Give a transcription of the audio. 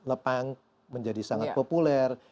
le panc menjadi sangat populer